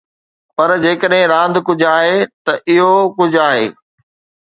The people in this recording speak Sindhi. پر جيڪڏهن راند ڪجهه آهي، ته اهو ڪجهه آهي.